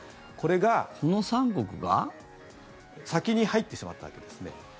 これが先に入ってしまったわけですね。